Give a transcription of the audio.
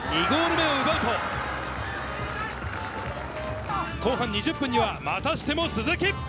２ゴール目を奪うと、後半２０分にはまたしても鈴木。